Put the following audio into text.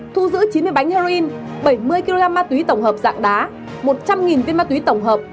thu giữ chín mươi bánh heroin bảy mươi kg ma túy tổng hợp dạng đá một trăm linh viên ma túy tổng hợp